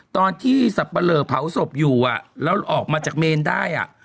ตอนที่สับปะเลอเผาศพอยู่แล้วออกมาจากเมนได้